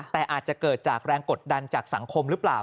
แต่อาจจะเกิดจากแรงกดดันจากสังคมหรือเปล่า